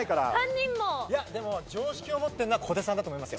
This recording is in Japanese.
でも常識を持ってるのは小手さんだと思いますよ。